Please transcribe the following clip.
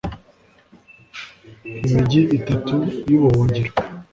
Imigi itatu y ubuhungiro